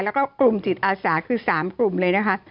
แล้วก็กลุ่มจิตอาสาคือ๓กลุ่มเลยนะคะ